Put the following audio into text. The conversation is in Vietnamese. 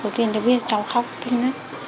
đầu tiên nó biết cháu khóc